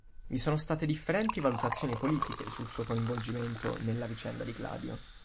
Vi sono state differenti valutazioni politiche sul suo coinvolgimento nella vicenda di Gladio.